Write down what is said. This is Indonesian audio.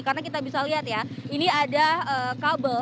karena kita bisa lihat ya ini ada kabel